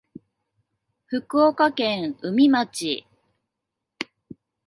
福岡県宇美町